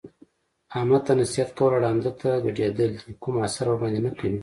احمد ته نصیحت کول ړانده ته ګډېدل دي کوم اثر ورباندې نه کوي.